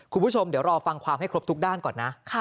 คุณผู้ชมเดี๋ยวรอฟังความให้ครบทุกด้านก่อนนะ